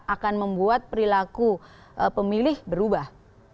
akan membuat perilaku pemilih berubah